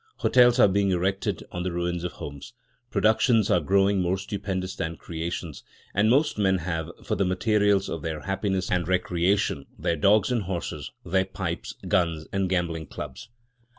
Hotels are being erected on the ruins of homes; productions are growing more stupendous than creations; and most men have, for the materials of their happiness and recreation, their dogs and horses, their pipes, guns, and gambling clubs.